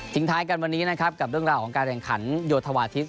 ท้ายกันวันนี้นะครับกับเรื่องราวของการแข่งขันโยธวาทิศ